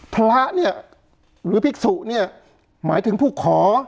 พระนี่หรือภิกษุหมายถึงผู้ขอ